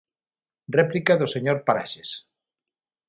Réplica do señor Paraxes.